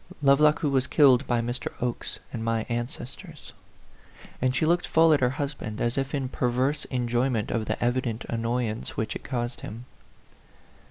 "Lovelock who was killed by Mr. Oke's and my ancestors." And she looked full at her husband, as if in perverse enjoyment of the evident annoy ance which it caused him.